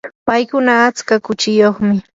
paykuna atska kuchiyuqmi.